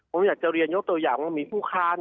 ผมอยากจะเรียนยกตัวอย่างว่ามีผู้ค้าน